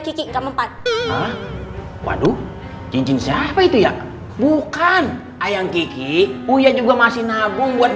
kiki enggak mempat waduh cincin siapa itu ya bukan ayang kiki uya juga masih nabung buat